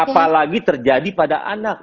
apalagi terjadi pada anak